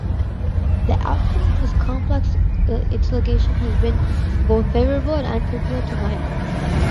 The outcome of this complex litigation has been both favorable and unfavorable to Minor.